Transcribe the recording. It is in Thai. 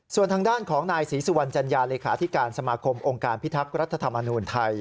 ส่วนทางด้านของนายศรีสุวรรณจัญญาเลขาธิการสมาคมองค์การพิทักษ์รัฐธรรมนูญไทย